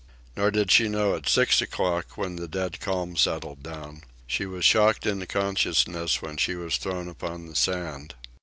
Nor did she know at six o'clock when the dead calm settled down. She was shocked into consciousness when she was thrown upon the sand.